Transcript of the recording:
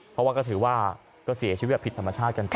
เพราะว่าก็ถือว่าก็เสียชีวิตแบบผิดธรรมชาติกันไป